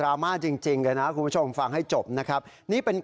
อย่ามาชี้หน้าค่ะคุณเข้ามาในบ้านฉัน